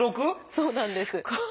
そうなんです。